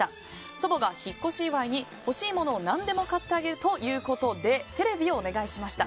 祖母が引っ越し祝いに欲しいものを何でも買ってあげるということでテレビをお願いしました。